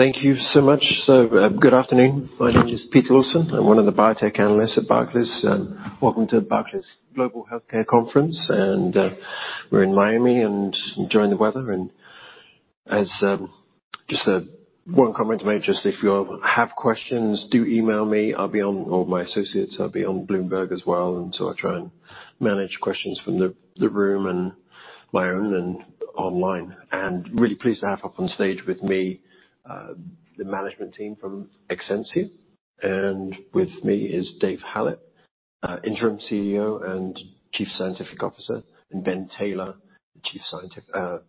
Great. Thank you so much. So, good afternoon. My name is Peter Lawson. I'm one of the biotech analysts at Barclays. Welcome to Barclays Global Healthcare Conference, and we're in Miami and enjoying the weather. And just one comment to make: just if you all have questions, do email me. I'll be on all my associates. I'll be on Bloomberg as well, and so I try and manage questions from the room and my own and online. And really pleased to have up on stage with me the management team from Exscientia. And with me is David Hallett, Interim CEO and Chief Scientific Officer, and Ben Taylor, the Chief Financial Officer.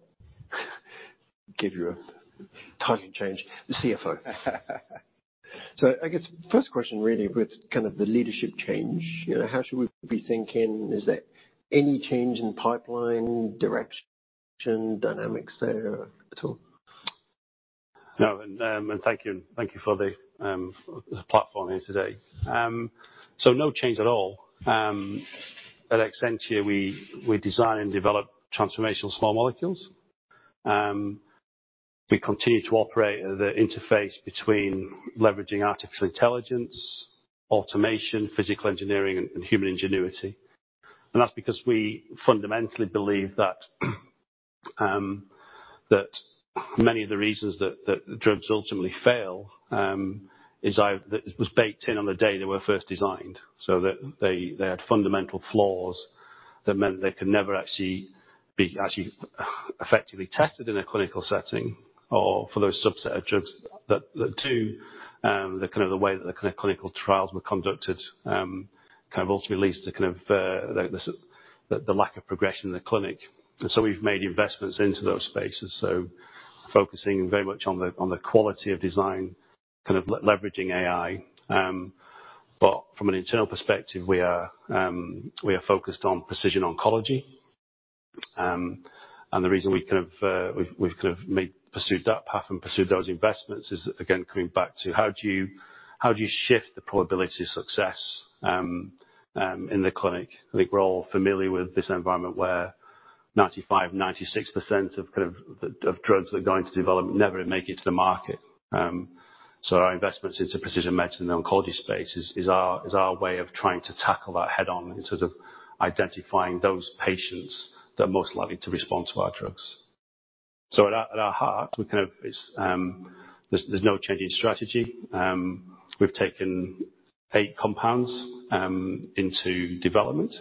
So I guess first question, really, with kind of the leadership change, you know, how should we be thinking? Is there any change in pipeline, direction, dynamics there, at all? No, and thank you. Thank you for the platform here today. So no change at all. At Exscientia, we design and develop transformational small molecules. We continue to operate at the interface between leveraging artificial intelligence, automation, physical engineering, and human ingenuity. And that's because we fundamentally believe that many of the reasons that drugs ultimately fail is either that it was baked in on the day they were first designed, so that they had fundamental flaws that meant they could never actually be effectively tested in a clinical setting or for those subset of drugs that too, the way that the clinical trials were conducted ultimately leads to the lack of progression in the clinic. And so we've made investments into those spaces, so focusing very much on the quality of design, kind of leveraging AI. But from an internal perspective, we are focused on precision oncology. And the reason we've kind of pursued that path and pursued those investments is, again, coming back to how do you shift the probability of success in the clinic? I think we're all familiar with this environment where 95%-96% of kind of the drugs that go into development never make it to the market. So our investments into precision medicine and the oncology space is our way of trying to tackle that head-on in terms of identifying those patients that are most likely to respond to our drugs. So at our heart, we kind of, it's, there's no changing strategy. We've taken eight compounds into development.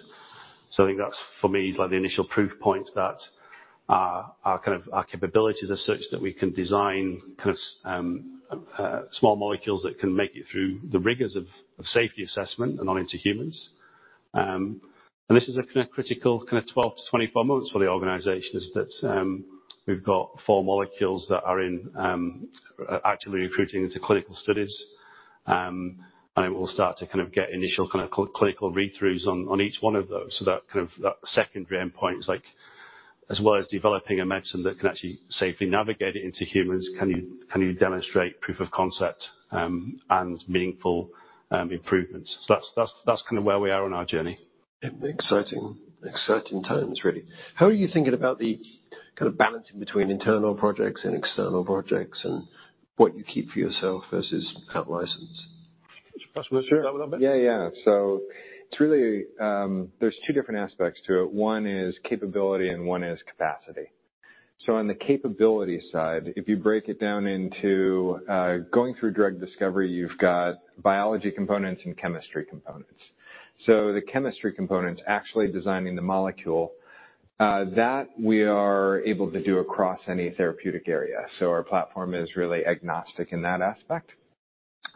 So I think that's, for me, like, the initial proof point that our capabilities are such that we can design small molecules that can make it through the rigors of safety assessment and on into humans. And this is a critical 12-24 months for the organization, is that we've got four molecules that are actively recruiting into clinical studies. And then we'll start to get initial clinical read-throughs on each one of those so that secondary endpoint is, like, as well as developing a medicine that can actually safely navigate it into humans, can you demonstrate proof of concept and meaningful improvements? So that's kind of where we are on our journey. In exciting, exciting terms, really. How are you thinking about the kind of balancing between internal projects and external projects and what you keep for yourself versus outlicense? Could you perhaps illustrate that a little bit? Yeah, yeah. So it's really. There's two different aspects to it. One is capability, and one is capacity. So on the capability side, if you break it down into going through drug discovery, you've got biology components and chemistry components. So the chemistry components, actually designing the molecule, that we are able to do across any therapeutic area. So our platform is really agnostic in that aspect.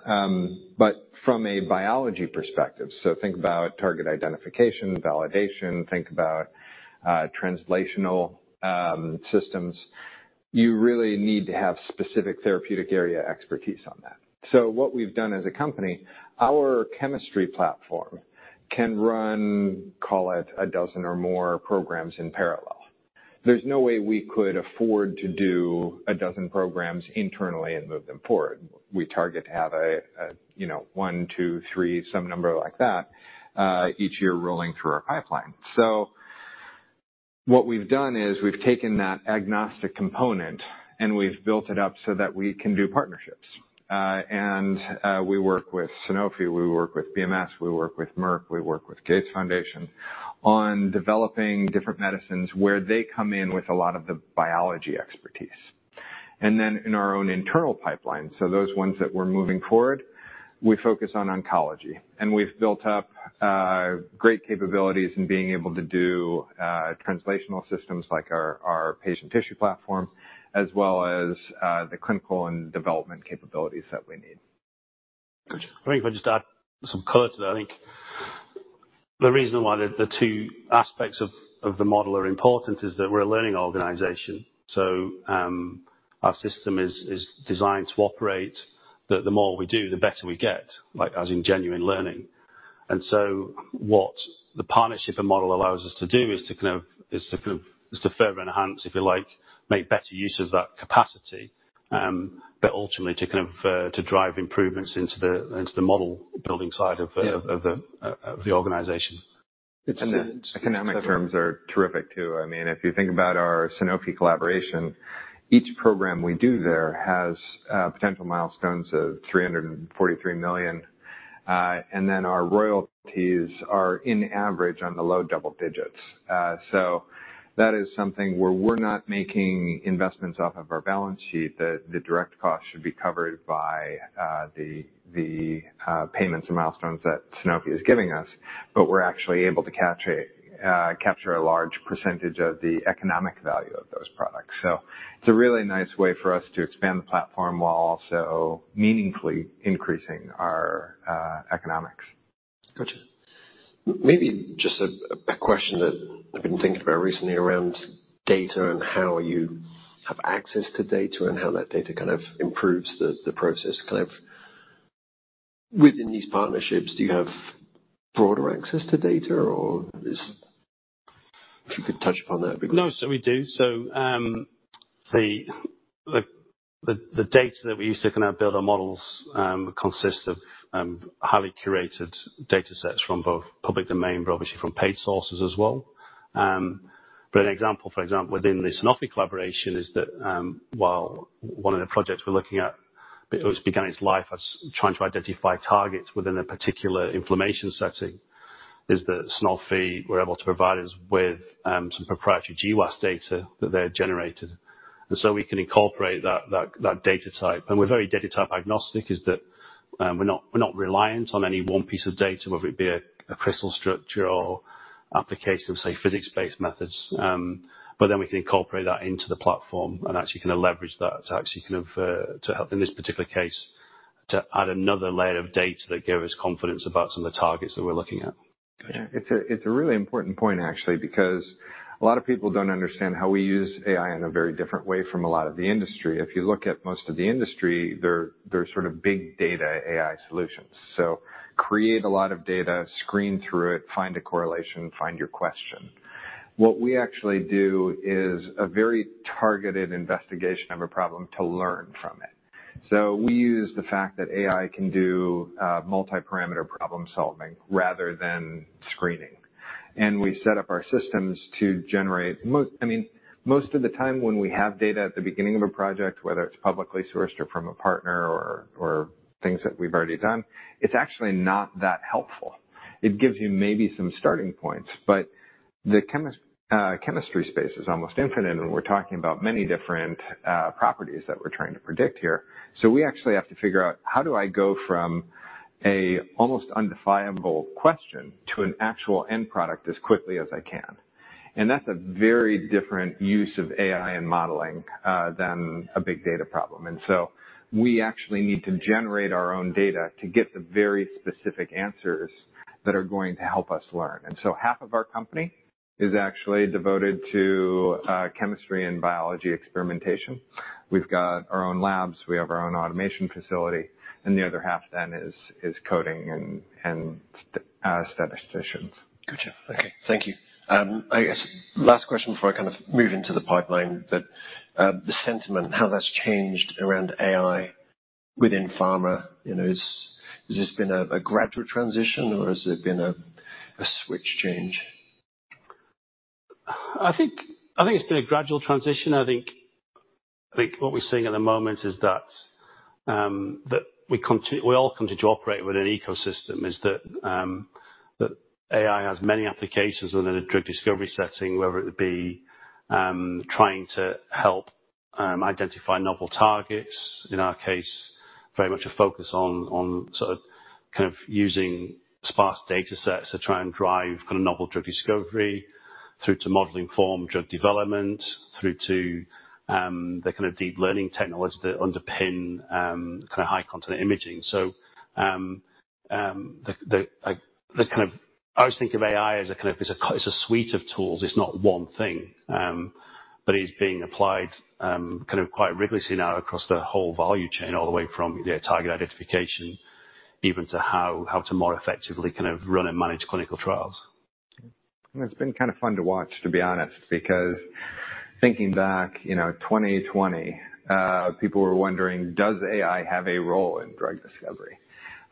But from a biology perspective, so think about target identification, validation, think about translational systems. You really need to have specific therapeutic area expertise on that. So what we've done as a company, our chemistry platform can run, call it, a dozen or more programs in parallel. There's no way we could afford to do a dozen programs internally and move them forward. We target to have a you know one two three some number like that each year rolling through our pipeline. So what we've done is we've taken that agnostic component, and we've built it up so that we can do partnerships. We work with Sanofi. We work with BMS. We work with Merck. We work with Gates Foundation on developing different medicines where they come in with a lot of the biology expertise. And then in our own internal pipeline, so those ones that we're moving forward, we focus on oncology. And we've built up great capabilities in being able to do translational systems like our patient tissue platform, as well as the clinical and development capabilities that we need. Gotcha. I think if I just add some color to that, I think the reason why the two aspects of the model are important is that we're a learning organization. So, our system is designed to operate that the more we do, the better we get, like, as in genuine learning. And so what the partnership and model allows us to do is to kind of further enhance, if you like, make better use of that capacity, but ultimately to kind of drive improvements into the model-building side of the organization. It's economic terms are terrific, too. I mean, if you think about our Sanofi collaboration, each program we do there has potential milestones of $343 million. And then our royalties are, on average, on the low double digits. So that is something where we're not making investments off of our balance sheet. The direct costs should be covered by the payments and milestones that Sanofi is giving us, but we're actually able to capture a large percentage of the economic value of those products. So it's a really nice way for us to expand the platform while also meaningfully increasing our economics. Gotcha. Maybe just a question that I've been thinking about recently around data and how you have access to data and how that data kind of improves the process. Kind of within these partnerships, do you have broader access to data, or if you could touch upon that, it'd be great. No, so we do. So, the data that we use to kind of build our models consists of highly curated datasets from both public domain, but obviously from paid sources as well. But an example, for example, within the Sanofi collaboration is that while one of the projects we're looking at, which began its life as trying to identify targets within a particular inflammation setting, is that Sanofi were able to provide us with some proprietary GWAS data that they had generated. And so we can incorporate that data type. And we're very data-type agnostic, in that we're not reliant on any one piece of data, whether it be a crystal structure or application of, say, physics-based methods. But then we can incorporate that into the platform and actually kind of leverage that to actually kind of, to help, in this particular case, to add another layer of data that give us confidence about some of the targets that we're looking at. Gotcha. It's a really important point, actually, because a lot of people don't understand how we use AI in a very different way from a lot of the industry. If you look at most of the industry, they're sort of big data AI solutions. So create a lot of data, screen through it, find a correlation, find your question. What we actually do is a very targeted investigation of a problem to learn from it. So we use the fact that AI can do multi-parameter problem-solving rather than screening. And we set up our systems to generate. I mean, most of the time when we have data at the beginning of a project, whether it's publicly sourced or from a partner or things that we've already done, it's actually not that helpful. It gives you maybe some starting points, but the chemistry space is almost infinite, and we're talking about many different properties that we're trying to predict here. So we actually have to figure out how do I go from an almost undefinable question to an actual end product as quickly as I can? And that's a very different use of AI and modeling than a big data problem. And so we actually need to generate our own data to get the very specific answers that are going to help us learn. And so half of our company is actually devoted to chemistry and biology experimentation. We've got our own labs. We have our own automation facility. And the other half is coding and statisticians. Gotcha. Okay. Thank you. I guess last question before I kind of move into the pipeline, but the sentiment, how that's changed around AI within pharma, you know, is this been a gradual transition, or has it been a switch change? I think I think it's been a gradual transition. I think what we're seeing at the moment is that we all continue to operate within an ecosystem, that AI has many applications within a drug discovery setting, whether it be trying to help identify novel targets. In our case, very much a focus on sort of kind of using sparse datasets to try and drive kind of novel drug discovery through to modeling-formed drug development, through to the kind of deep learning technology that underpin kind of high-content imaging. So, I always think of AI as a kind of it's a suite of tools. It's not one thing, but it's being applied, kind of quite rigorously now across the whole value chain, all the way from, you know, target identification even to how to more effectively kind of run and manage clinical trials. It's been kind of fun to watch, to be honest, because thinking back, you know, 2020, people were wondering, does AI have a role in drug discovery?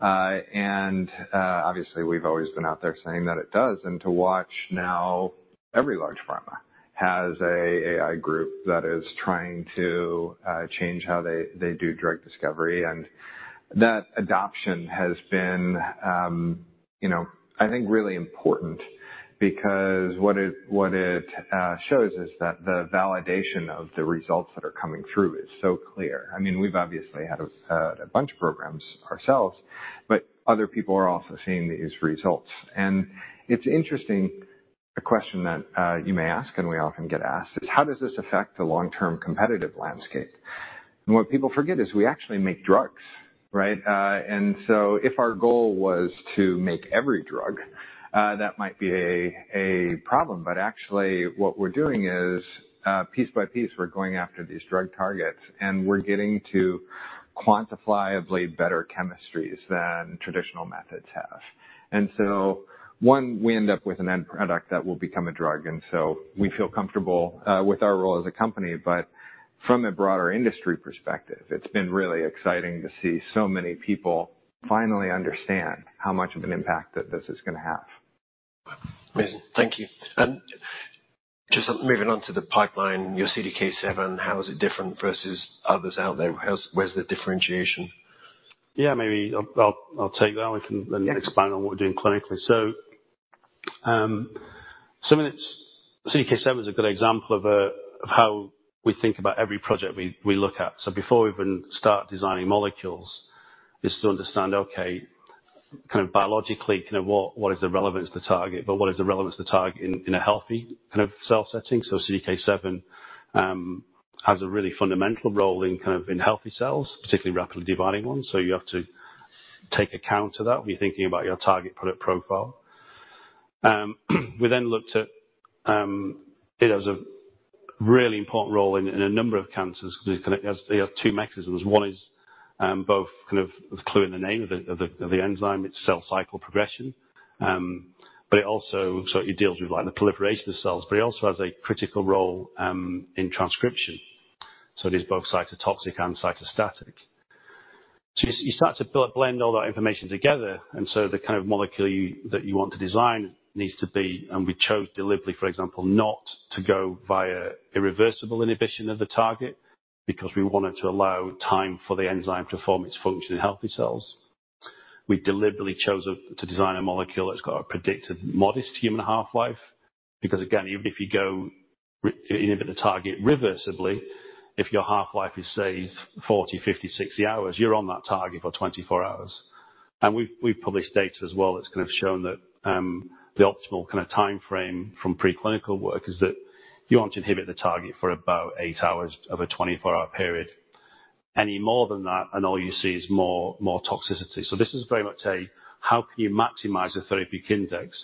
And, obviously, we've always been out there saying that it does. And to watch now, every large pharma has an AI group that is trying to change how they do drug discovery. And that adoption has been, you know, I think really important because what it shows is that the validation of the results that are coming through is so clear. I mean, we've obviously had a bunch of programs ourselves, but other people are also seeing these results. And it's interesting, a question that you may ask and we often get asked is, how does this affect the long-term competitive landscape? And what people forget is we actually make drugs, right? And so if our goal was to make every drug, that might be a problem. But actually, what we're doing is, piece by piece, we're going after these drug targets, and we're getting to quantifiably better chemistries than traditional methods have. And so one, we end up with an end product that will become a drug, and so we feel comfortable with our role as a company. But from a broader industry perspective, it's been really exciting to see so many people finally understand how much of an impact that this is gonna have. Amazing. Thank you. Just moving on to the pipeline, your CDK7, how is it different versus others out there? How's the differentiation? Yeah, maybe I'll take that, and we can then expand on what we're doing clinically. So, I mean, it's CDK7 is a good example of how we think about every project we look at. So before we even start designing molecules, it's to understand, okay, kind of biologically, what is the relevance to target? But what is the relevance to target in a healthy kind of cell setting? So CDK7 has a really fundamental role in healthy cells, particularly rapidly dividing ones. So you have to take account of that when you're thinking about your target product profile. We then looked at it. It has a really important role in a number of cancers because it kind of has two mechanisms. One is both kind of the clue in the name of the enzyme. It's cell cycle progression. But it also deals with, like, the proliferation of cells, but it also has a critical role in transcription. So it is both cytotoxic and cytostatic. So you start to build and blend all that information together, and so the kind of molecule that you want to design needs to be and we chose deliberately, for example, not to go via irreversible inhibition of the target because we wanted to allow time for the enzyme to perform its function in healthy cells. We deliberately chose to design a molecule that's got a predicted modest human half-life because, again, even if you inhibit the target reversibly, if your half-life is, say, 40, 50, 60 hours, you're on that target for 24 hours. We've published data as well that's kind of shown that the optimal kind of timeframe from preclinical work is that you want to inhibit the target for about 8 hours of a 24-hour period. Any more than that, and all you see is more toxicity. So this is very much a how can you maximize the therapeutic index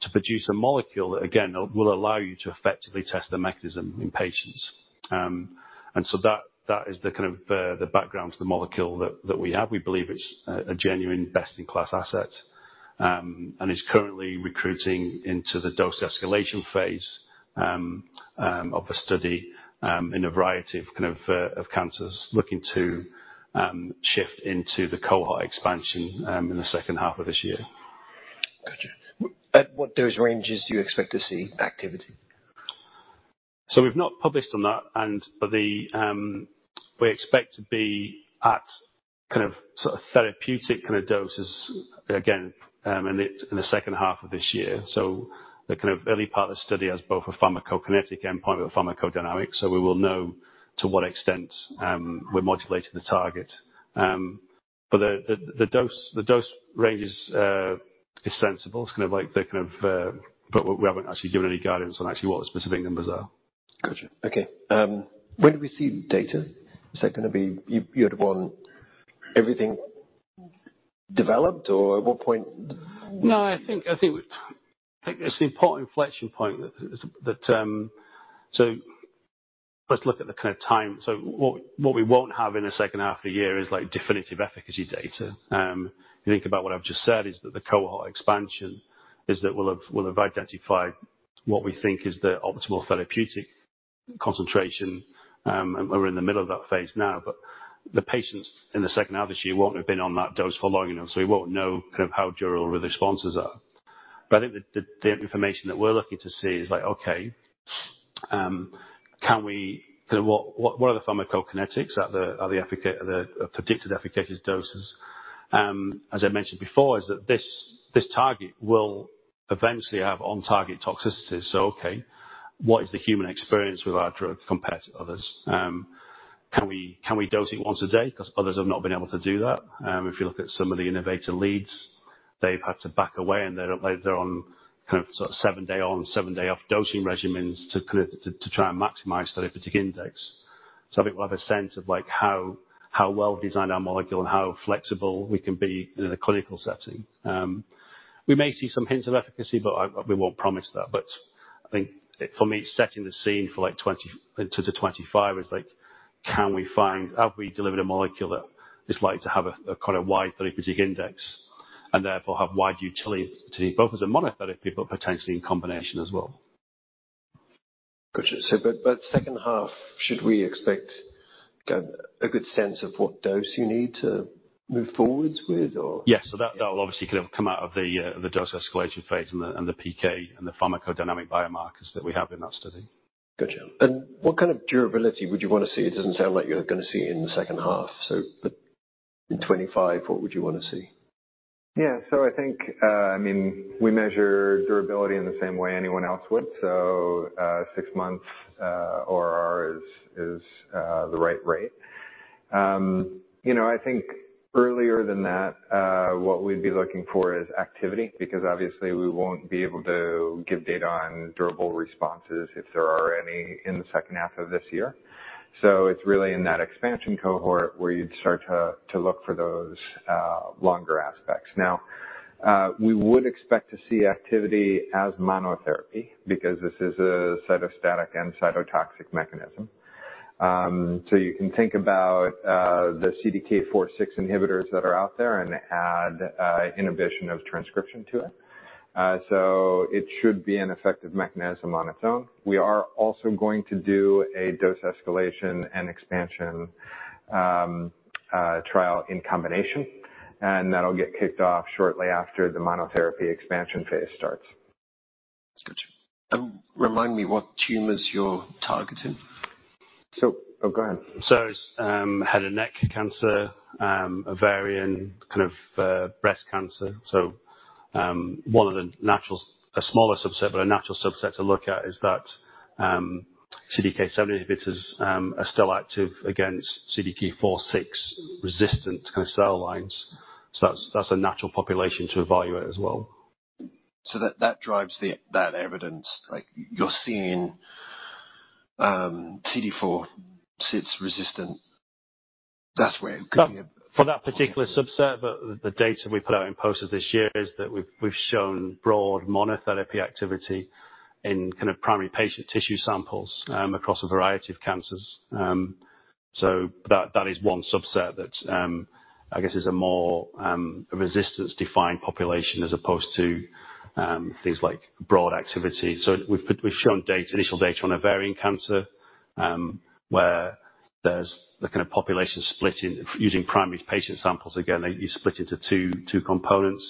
to produce a molecule that, again, will allow you to effectively test the mechanism in patients? So that is the kind of background to the molecule that we have. We believe it's a genuine best-in-class asset, and is currently recruiting into the dose escalation phase of a study in a variety of kind of cancers looking to shift into the cohort expansion in the second half of this year. Gotcha. Wait, at what dose ranges do you expect to see activity? So we've not published on that, but we expect to be at kind of sort of therapeutic kind of doses, again, in the second half of this year. So the kind of early part of the study has both a pharmacokinetic endpoint but a pharmacodynamic, so we will know to what extent we're modulating the target. But the dose ranges is sensible. It's kind of like they're kind of, but we haven't actually given any guidance on actually what the specific numbers are. Gotcha. Okay. When do we see data? Is that gonna be you, you had one everything developed, or at what point? No, I think it's an important inflection point that, so let's look at the kind of time. So what we won't have in the second half of the year is, like, definitive efficacy data. If you think about what I've just said, is that the cohort expansion is that we'll have identified what we think is the optimal therapeutic concentration. And we're in the middle of that phase now, but the patients in the second half of this year won't have been on that dose for long enough, so we won't know kind of how durable the responses are. But I think the information that we're looking to see is like, okay, can we kind of what are the pharmacokinetics at the predicted efficacious doses? As I mentioned before, is that this target will eventually have on-target toxicities. So, okay, what is the human experience with our drug compared to others? Can we dose it once a day? 'Cause others have not been able to do that. If you look at some of the innovator leads, they've had to back away, and they're on kind of sort of seven-day-on, seven-day-off dosing regimens to kind of try and maximize therapeutic index. So I think we'll have a sense of, like, how well-designed our molecule and how flexible we can be in the clinical setting. We may see some hints of efficacy, but I we won't promise that. I think it for me, setting the scene for, like, 2020-2025 is, like, have we delivered a molecule that is likely to have a, a kind of wide therapeutic index and therefore have wide utility both as a monotherapy but potentially in combination as well? Gotcha. So, but second half, should we expect a good sense of what dose you need to move forward with, or? Yes. So that will obviously kind of come out of the dose escalation phase and the PK and the pharmacodynamic biomarkers that we have in that study. Gotcha. And what kind of durability would you wanna see? It doesn't sound like you're gonna see it in the second half. So but in 2025, what would you wanna see? Yeah. So I think, I mean, we measure durability in the same way anyone else would. So, six months, or ours is the right rate. You know, I think earlier than that, what we'd be looking for is activity because, obviously, we won't be able to give data on durable responses if there are any in the second half of this year. So it's really in that expansion cohort where you'd start to look for those longer aspects. Now, we would expect to see activity as monotherapy because this is a cytostatic and cytotoxic mechanism. So you can think about the CDK4/6 inhibitors that are out there and add inhibition of transcription to it. So it should be an effective mechanism on its own. We are also going to do a dose escalation and expansion, trial in combination, and that'll get kicked off shortly after the monotherapy expansion phase starts. Gotcha. Remind me, what tumors you're targeting? Go ahead. So, head and neck cancer, ovarian, kind of, breast cancer. So, one of the natural a smaller subset, but a natural subset to look at is that, CDK7 inhibitors, are still active against CDK4/6 resistant kind of cell lines. So that's, that's a natural population to evaluate as well. So that drives the evidence. Like, you're seeing, CDK4/6 resistant. That's where it could be a. For that particular subset, but the data we put out in posters this year is that we've shown broad monotherapy activity in kind of primary patient tissue samples, across a variety of cancers. So that is one subset that, I guess, is a more resistance-defined population as opposed to things like broad activity. So we've shown initial data on ovarian cancer, where there's the kind of population split in using primary patient samples. Again, you split into two components,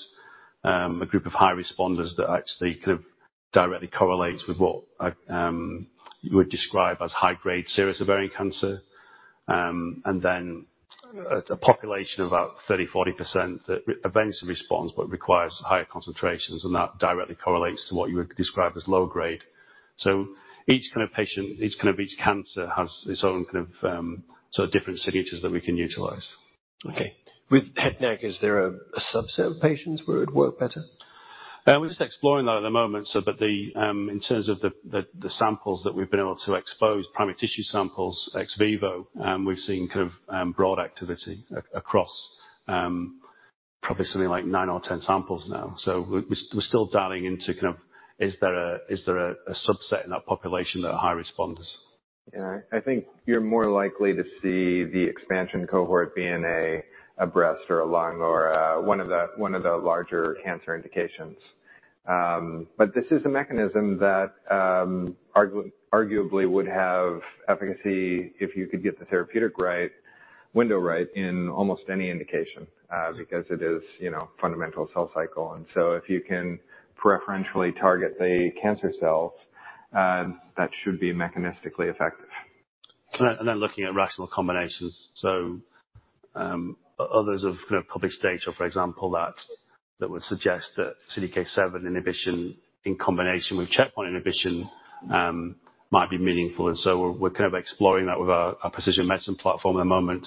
a group of high responders that actually kind of directly correlates with what I would describe as high-grade serous ovarian cancer. And then a population of about 30%-40% that eventually responds but requires higher concentrations, and that directly correlates to what you would describe as low-grade. So each kind of patient, each kind of cancer has its own kind of, sort of different signatures that we can utilize. Okay. With head and neck, is there a subset of patients where it would work better? We're just exploring that at the moment. So but in terms of the samples that we've been able to expose, primary tissue samples ex vivo, we've seen kind of broad activity across, probably something like nine or 10 samples now. So we're still dialing into kind of, is there a subset in that population that are high responders? Yeah. I think you're more likely to see the expansion cohort being a breast or a lung or one of the larger cancer indications. But this is a mechanism that arguably would have efficacy if you could get the therapeutic window right in almost any indication, because it is, you know, fundamental cell cycle. And so if you can preferentially target the cancer cells, that should be mechanistically effective. And then looking at rational combinations. So, other sources of kind of public data are, for example, that would suggest that CDK7 inhibition in combination with checkpoint inhibition might be meaningful. And so we're kind of exploring that with our precision medicine platform at the moment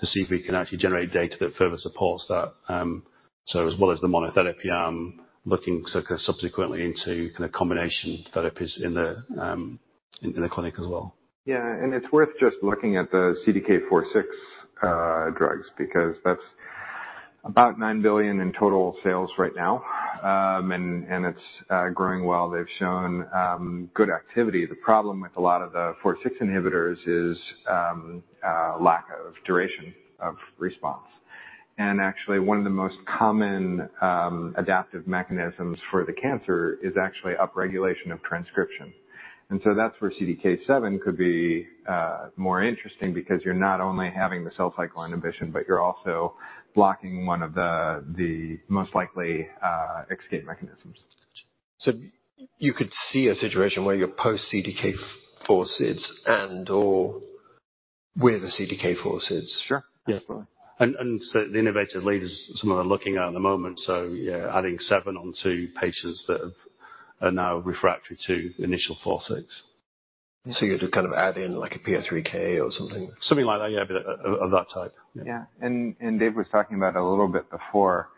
to see if we can actually generate data that further supports that, so as well as the monotherapy, looking so kind of subsequently into kind of combination therapies in the clinic as well. Yeah. It's worth just looking at the CDK4/6 drugs because that's about $9 billion in total sales right now. It's growing well. They've shown good activity. The problem with a lot of the 4/6 inhibitors is lack of duration of response. Actually, one of the most common adaptive mechanisms for the cancer is actually upregulation of transcription. So that's where CDK7 could be more interesting because you're not only having the cell cycle inhibition, but you're also blocking one of the most likely escape mechanisms. Gotcha. So you could see a situation where you're post-CDK4/6 and/or with a CDK4/6? Sure. Yeah. Okay. Absolutely. So, the innovator lead is someone they're looking at at the moment. So, yeah, adding CDK7 onto patients that are now refractory to initial CDK4/6. You're just kind of adding like a PI3K or something? Something like that. Yeah. But of that type. Yeah. Yeah. And David was talking about it a little bit before.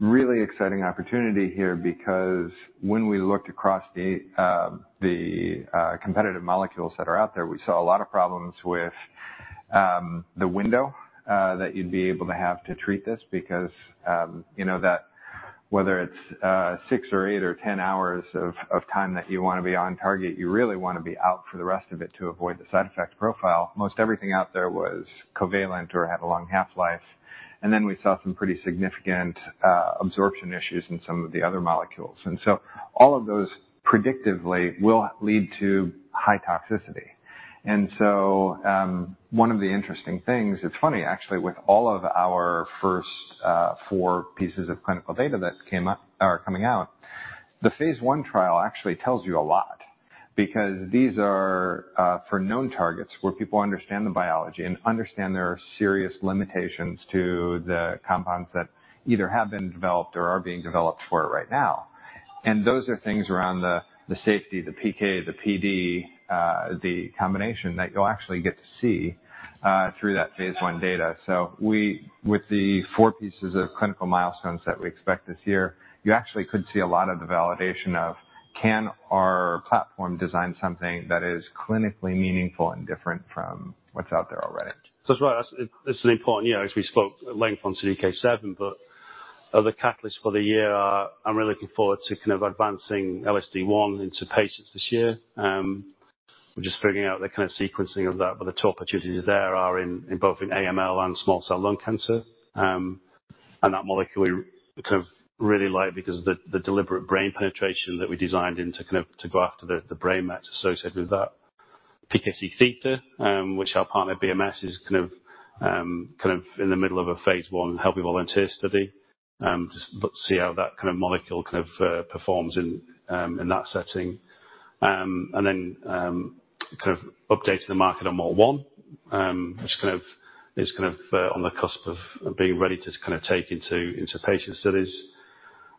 Really exciting opportunity here because when we looked across the competitive molecules that are out there, we saw a lot of problems with the window that you'd be able to have to treat this because, you know, that whether it's 6 or 8 or 10 hours of time that you wanna be on target, you really wanna be out for the rest of it to avoid the side effect profile. Most everything out there was covalent or had a long half-life. And then we saw some pretty significant absorption issues in some of the other molecules. And so all of those predictively will lead to high toxicity. One of the interesting things—it's funny, actually—with all of our first four pieces of clinical data that came out are coming out, the phase I trial actually tells you a lot because these are for known targets where people understand the biology and understand there are serious limitations to the compounds that either have been developed or are being developed for it right now. And those are things around the safety, the PK, the PD, the combination that you'll actually get to see through that phase I data. So with the four pieces of clinical milestones that we expect this year, you actually could see a lot of the validation of: can our platform design something that is clinically meaningful and different from what's out there already? So that's right. That's it. It's an important year, as we spoke at length on CDK7. But the catalyst for the year is I'm really looking forward to kind of advancing LSD1 into patients this year. We're just figuring out the kind of sequencing of that where the two opportunities there are in both in AML and small cell lung cancer, and that molecule we kind of really like because of the deliberate brain penetration that we designed into kind of to go after the brain mets associated with that. PKC theta, which our partner, BMS, is kind of in the middle of a phase I healthy volunteer study, just to see how that kind of molecule kind of performs in that setting. and then, kind of updating the market on MALT1, which kind of is on the cusp of being ready to kind of take into patient studies.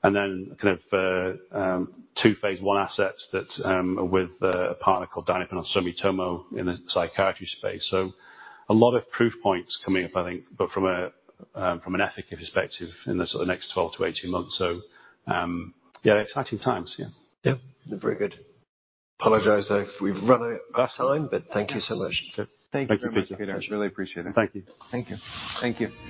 And then kind of, two phase I assets that are with a partner called Dainippon Sumitomo in the psychiatry space. So a lot of proof points coming up, I think, but from an effective perspective in the sort of next 12-18 months. So, yeah, exciting times. Yeah. Yeah. Very good. Apologies. We've run out of time, but thank you so much. Sure. Thank you, Peter. Thank you, Peter. It's really appreciated. Thank you. Thank you. Thank you.